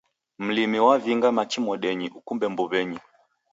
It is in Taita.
Mlimi wavinga machi modeni ukumbe mbuw'enyi